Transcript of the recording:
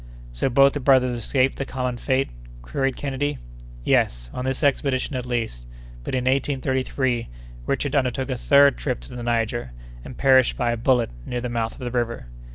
"So both the brothers escaped the common fate?" queried Kennedy. "Yes, on this expedition, at least; but in 1833 Richard undertook a third trip to the Niger, and perished by a bullet, near the mouth of the river.